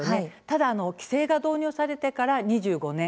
ただ規制が導入されてから２５年。